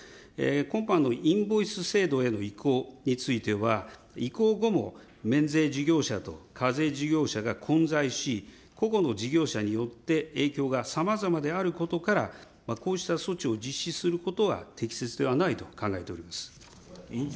今般のインボイス制度への移行については、移行後も免税事業者と課税事業者が混在し、ここの事業者によって影響がさまざまであることから、こうした措置を実施することは適切ではないと考えております。